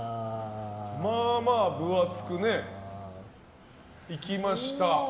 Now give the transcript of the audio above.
まあまあ分厚くいきました。